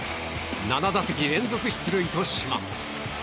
７打席連続出塁とします。